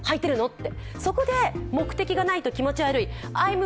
って。